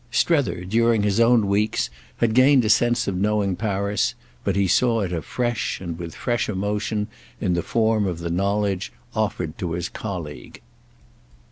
Strether, during his own weeks, had gained a sense of knowing Paris; but he saw it afresh, and with fresh emotion, in the form of the knowledge offered to his colleague.